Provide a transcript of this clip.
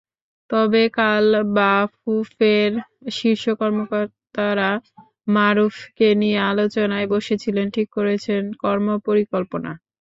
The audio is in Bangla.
তবে কাল বাফুফের শীর্ষ কর্মকর্তারা মারুফকে নিয়ে আলোচনায় বসেছিলেন, ঠিক করেছেন কর্মপরিকল্পনা।